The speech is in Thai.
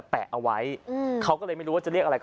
สวัสดีครับสวัสดีครับส